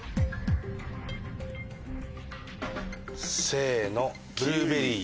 せの。